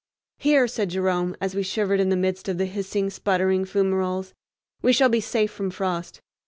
"Here," said Jerome, as we shivered in the midst of the hissing, sputtering fumaroles, "we shall be safe from frost."